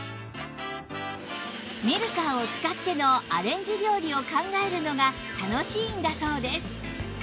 ミルサーを使ってのアレンジ料理を考えるのが楽しいんだそうです